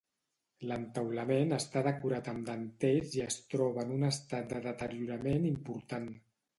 L'entaulament està decorat amb dentells i es troba en un estat de deteriorament important.